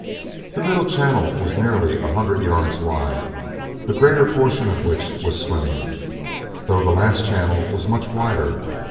The middle channel was nearly a hundred yards wide, the greater portion of which was swimming, though the last channel was much wider.